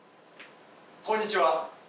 こんにちは。